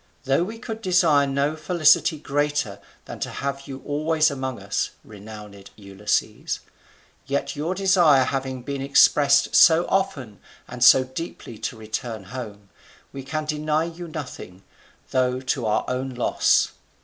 Though we could desire no felicity greater than to have you always among us, renowned Ulysses, yet your desire having been expressed so often and so deeply to return home, we can deny you nothing, though to our own loss.